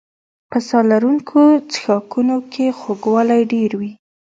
په ساه لرونکو څښاکونو کې خوږوالی ډېر وي.